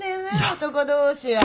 男同士は。